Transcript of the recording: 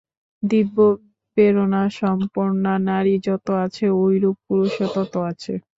দিব্যপ্রেরণাসম্পন্না নারী যত আছে, ঐরূপ পুরুষও তত আছে।